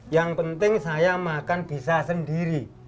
yang penting saya makan bisa sendiri